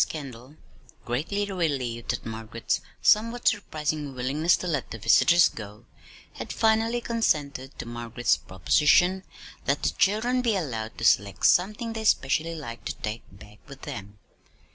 Kendall, greatly relieved at Margaret's somewhat surprising willingness to let the visitors go, had finally consented to Margaret's proposition that the children be allowed to select something they specially liked to take back with them.